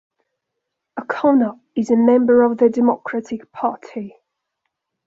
O'Connor is a member of the Democratic Party.